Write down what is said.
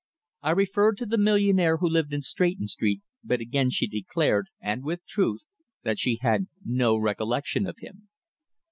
I referred to the millionaire who lived in Stretton Street, but again she declared, and with truth, that she had no recollection of him.